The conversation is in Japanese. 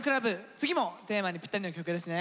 次もテーマにぴったりの曲ですね。